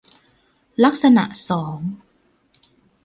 ลักษณะสอง